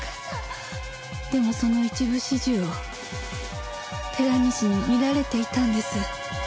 でもその一部始終を寺西に見られていたんです。